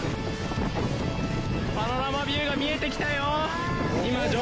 パノラマビューが見えて来たよ！